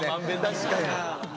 確かに。